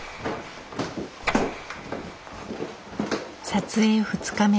撮影２日目。